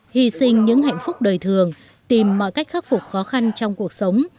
hy sinh những hạnh phúc đời thường tìm mọi cách khắc phục khó khăn trong cuộc sống